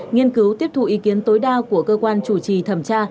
nghiên cứu tiếp thu ý kiến tối đa của cơ quan chủ trì thẩm tra